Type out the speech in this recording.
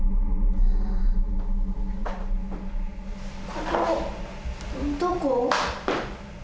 ここどこ？